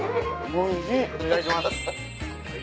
おいしい！